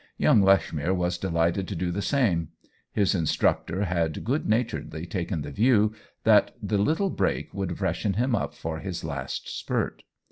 Young Lechmere was delighted to do the same ; his instructor had good naturedly taken the view that the little break would freshen him up for his last spurt.